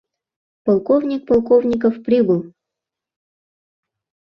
— Полковник Полковников прибыл!